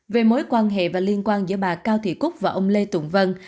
về mối quan hệ và liên quan giữa bà cao thị cúc và ông lê tùng vân